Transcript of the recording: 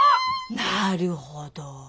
なるほど。